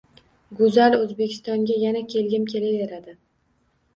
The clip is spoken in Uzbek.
Go‘zal O‘zbekistonga yana kelgim kelaveradi